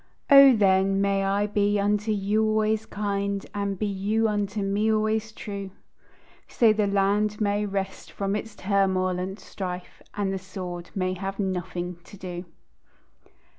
O, then, may I be unto you always kind, And be you unto me always true; So the land may rest from its turmoil and strife, And the sword may have nothing to do.